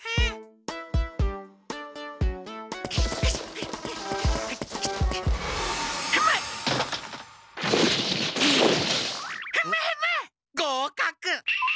ごうかく！